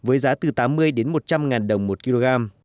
với giá từ tám mươi đến một trăm linh ngàn đồng một kg